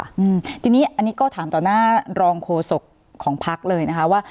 อันนี้ก็ถามต่อหน้ารองโคศกของพักเลยนะคะ